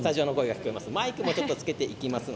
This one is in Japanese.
マイクをつけていきますよ。